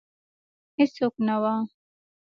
هیڅوک نه وه